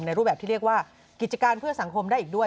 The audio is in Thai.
รูปแบบที่เรียกว่ากิจการเพื่อสังคมได้อีกด้วย